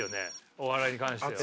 お笑いに関しては。